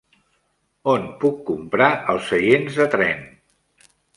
On puc comprar els seients de tren?